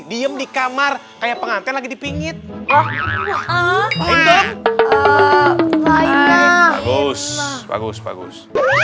diem di kamar kayak pengantin lagi dipingit oh ya bagus bagus bagus